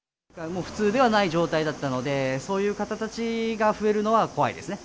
もう普通ではない状態だったので、そういう方たちが増えるのは怖いですね。